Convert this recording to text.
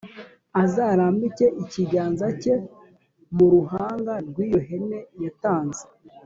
Azarambike ikiganza cye mu ruhanga rw iyo hene yatanze